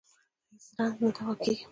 د هېڅ رنځ نه دوا کېږي.